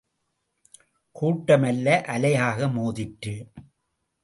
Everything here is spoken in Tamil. கூட்டம் அலை அலையாக மோதிற்று.